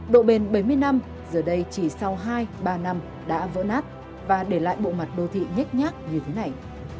độ bền bảy mươi năm giờ đây chỉ sau hai ba năm đã vỡ nát và để lại bộ mặt đô thị nhách nhác như thế này